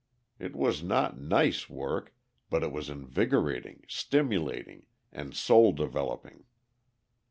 It was not "nice" work, but it was invigorating, stimulating, and soul developing.